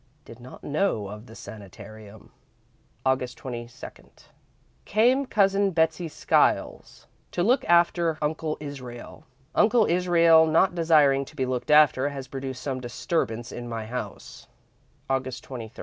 Did not know of the sanitarium. "Aug. 22. Came Cousin Betsey Skiles to look after Uncle Israel. Uncle Israel not desiring to be looked after has produced some disturbance in my house. "Aug.